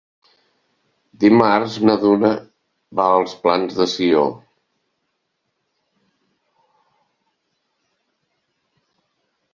Dimarts na Duna va als Plans de Sió.